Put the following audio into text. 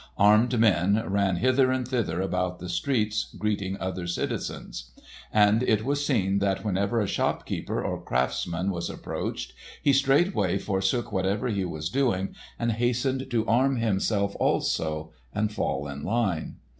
Armed men ran hither and thither about the streets greeting other citizens. And it was seen that whenever a shopkeeper or craftsman was approached, he straightway forsook whatever he was doing and hastened to arm himself also and fall in line.